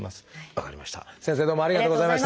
分かりました。